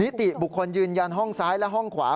ติบุคคลยืนยันห้องซ้ายและห้องขวา